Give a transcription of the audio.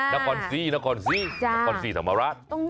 นครสีนครสีนครสีธรรมรัส